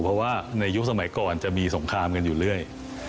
เพราะว่าในยุคสมัยก่อนจะมีสงครามกันอยู่เรื่อย